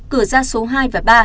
cửa ra số hai và ba